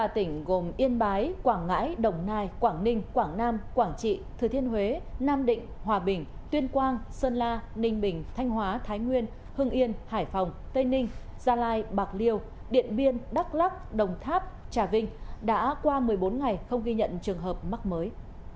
ba tỉnh gồm yên bái quảng ngãi đồng nai quảng ninh quảng nam quảng trị thừa thiên huế nam định hòa bình tuyên quang sơn la ninh bình thanh hóa thái nguyên hưng yên hải phòng tây ninh gia lai bạc liêu điện biên đắk lắc đồng tháp trà vinh đã qua một mươi bốn ngày không ghi nhận trường hợp mắc mới